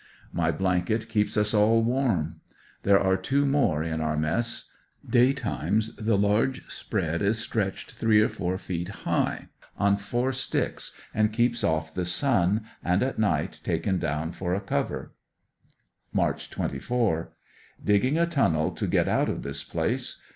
My blanket keeps us all warm. There are two more in our mess. Daytimes the large spread is stretched three or four feet high on four sticks, and keeps off the sun, and at night taken down for a cover. March 24. — Digging a tunnel to get out of this place.